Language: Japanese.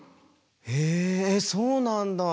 へえそうなんだ。